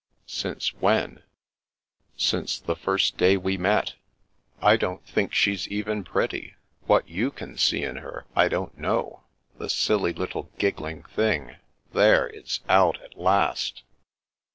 " Since when ?" Since the first day we met. I don't think she's it 248^ The Princess Passes even pretty. What yau can see in her, I don't know — ^the silly little giggling thing! There, it's out at last."